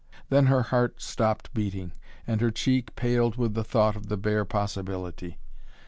Then her heart stopped beating, and her cheek paled with the thought of the bare possibility.